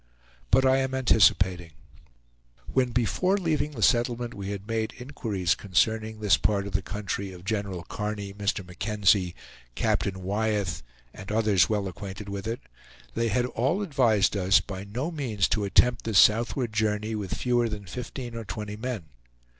But I am anticipating. When, before leaving the settlement we had made inquiries concerning this part of the country of General Kearny, Mr. Mackenzie, Captain Wyeth, and others well acquainted with it, they had all advised us by no means to attempt this southward journey with fewer than fifteen or twenty men.